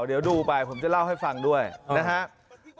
เดี๋ยวดูไปผมจะเล่าให้ฟังด้วยนะครับ